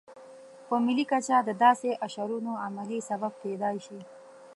په ملي کچه د داسې اشرونو عملي سبب کېدای شي.